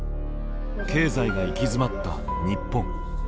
経済が行き詰まった日本。